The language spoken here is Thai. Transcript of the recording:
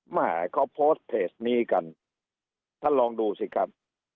มหาเขาโพสต์เพจนี้กันท่านลองดูสิครับ